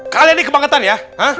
kalian ini kebangetan ya